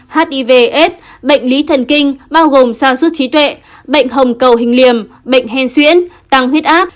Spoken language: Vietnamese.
hiv s bệnh lý thần kinh bao gồm sa sút trí tuệ bệnh hồng cầu hình liềm bệnh hen xuyến tăng huyết áp